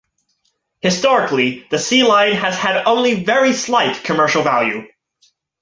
Historically, the sea lion has had only very slight commercial value.